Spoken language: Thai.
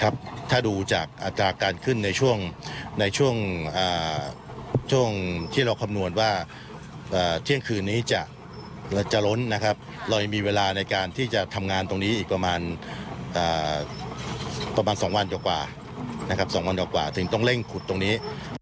ถ้าดูจากอัตราการขึ้นในช่วงที่เราคำนวณว่าเที่ยงคืนนี้เราจะล้นเรายังมีเวลาในการที่จะทำงานตรงนี้อีกประมาณ๒วันกว่า๒วันกว่าถึงต้องเร่งขุดตรงนี้